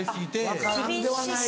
分からんではない。